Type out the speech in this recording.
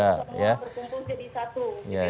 semua berkumpul jadi satu